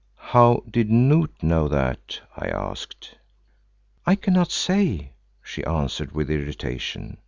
"How did Noot know that?" I asked. "I cannot say," she answered with irritation.